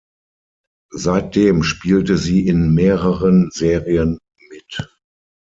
Seitdem spielte sie in mehreren Serien mit.